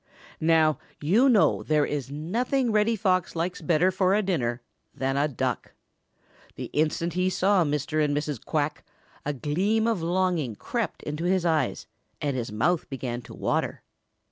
Now you know there is nothing Reddy Fox likes better for a dinner than a Duck. The instant he saw Mr. and Mrs. Quack, a gleam of longing crept into his eyes and his mouth began to water.